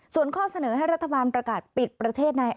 ส่วนข้อเสนอให้รัฐบาลประกาศปิดประเทศใน